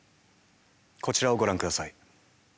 こちらをご覧ください。